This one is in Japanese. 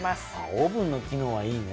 オーブンの機能はいいね。